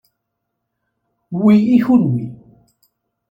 Wi i kenwi.